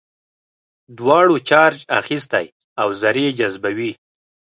دواړو چارج اخیستی او ذرې جذبوي.